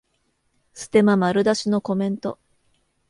ステマ丸出しのコメント